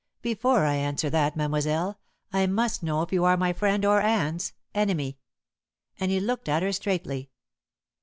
"Before I answer that, mademoiselle, I must know if you are my friend or Anne's enemy," and he looked at her straightly.